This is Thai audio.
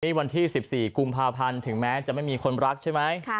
นี่วันที่๑๔กุมภาพันธ์ถึงแม้จะไม่มีคนรักใช่ไหม